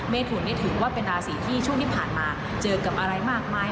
ถุนนี่ถือว่าเป็นราศีที่ช่วงที่ผ่านมาเจอกับอะไรมากมาย